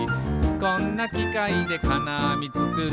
「こんなきかいでかなあみつくる」